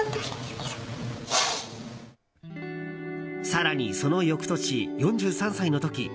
更にその翌年、４３歳の時。